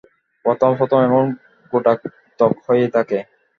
প্রথম প্রথম এমন গোটাকতক হয়েই থাকে।